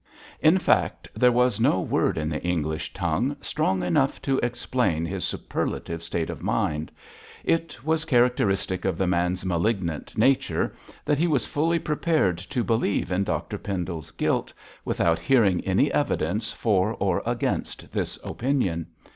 in fact, there was no word in the English tongue strong enough to explain his superlative state of mind. It was characteristic of the man's malignant nature that he was fully prepared to believe in Dr Pendle's guilt without hearing any evidence for or against this opinion.